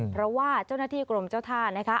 เพราะว่าเจ้าหน้าที่กรมเจ้าท่านะคะ